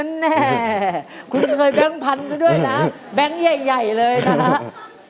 แน่คุณเคยแบงค์พันธุ์ด้วยนะแบงค์ใหญ่เลยนะครับ